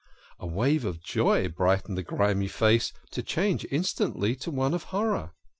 A wave of joy brightened the grimy face, to change instantly to one of horror.